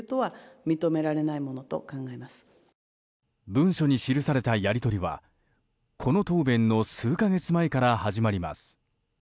文書に記されたやり取りはこの答弁の数か月前から始まります。